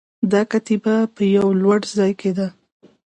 دا کتیبه په یوه لوړ ځای کې ده